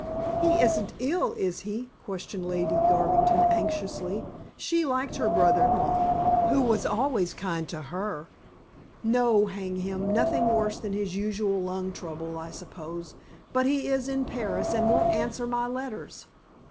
"He isn't ill, is he?" questioned Lady Garvington anxiously. She liked her brother in law, who was always kind to her. "No, hang him; nothing worse than his usual lung trouble, I suppose. But he is in Paris, and won't answer my letters."